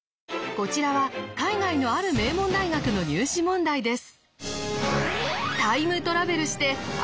こちらは海外のある名門大学の入試問題です！